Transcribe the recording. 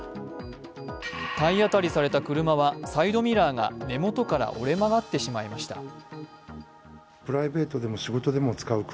体当たりされた車はサイドミラーが根元から折れ曲がってしまいました。